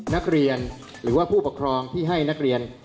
นักเรียนหรือว่าผู้ปกครองที่ให้นักเรียน